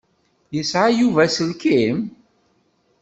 Yesɛa Yuba aselkim?